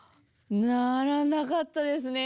ならなかったですね。